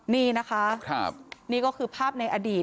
นี่นะคะนี่ก็คือภาพในอดีต